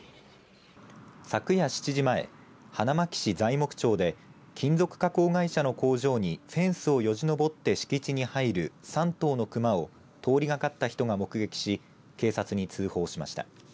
昨夜７時前花巻市材木町で金属加工会社の工場にフェンスをよじ登って敷地に入る３頭の熊を通りがかった人が目撃し警察に通報しました。